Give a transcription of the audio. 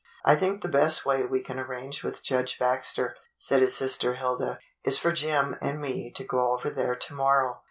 "I think the best way we can arrange with Judge Baxter," said his sister Hilda, "is for Jim and me to go over there to morrow.